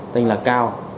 tên là cao